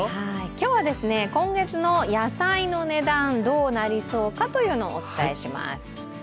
今日は今月の野菜の値段どうなりそうか、お伝えします。